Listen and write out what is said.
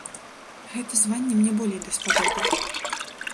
Гэтае званне мне болей даспадобы.